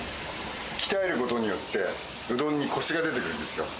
鍛えることによって、うどんにこしが出てくるんですよ。